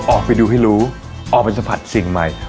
ออกไปดูให้รู้ออกไปสัมผัสสิ่งใหม่